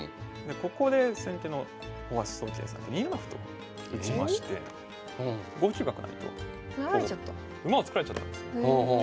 ここで先手の大橋宗桂さん２七歩と打ちまして５九角成と馬を作られちゃったんです。